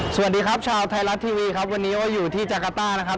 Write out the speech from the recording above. สวัสดีครับชาวไทยรัฐทีวีครับวันนี้ก็อยู่ที่จักรต้านะครับ